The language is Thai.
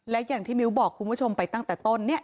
และอย่างที่มิ้วบอกคุณผู้ชมไปตั้งแต่ต้นเนี่ย